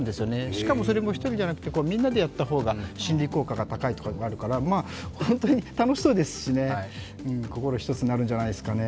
しかもそれも１人じゃなくてみんなでやった方が心理効果が高いとかあるから本当に楽しそうですしね、心一つになるんじゃないですかね。